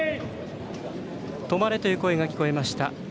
止まれという声が聞こえました。